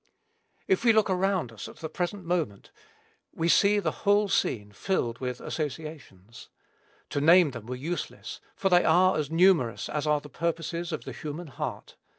If we look around us at the present moment we see the whole scene filled with associations. To name them were useless, for they are as numerous as are the purposes of the human heart.